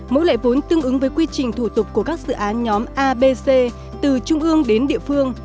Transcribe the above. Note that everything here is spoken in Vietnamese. mỗi loại vốn tương ứng với quy trình thủ tục của các dự án nhóm abc từ trung ương đến địa phương